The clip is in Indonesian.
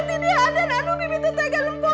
di sini aden aduh bibitnya tegang